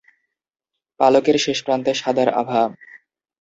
পালকের শেষ প্রান্তে সাদার আভা।